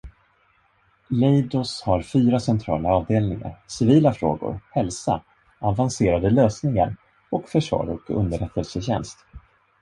Leidos har fyra centrala avdelningar: civila frågor, hälsa, avancerade lösningar, och försvar och underrättelsetjänst.